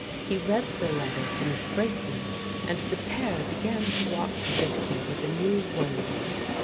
He read the letter to Miss Bracy, and the pair began to watch Victor with a new wonder.